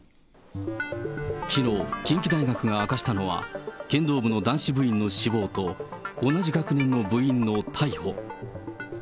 きのう、近畿大学が明かしたのは、剣道部の男子部員の死亡と、同じ学年の部員の逮捕。